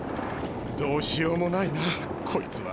どうしようもないなこいつは。